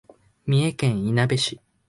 三重県いなべ市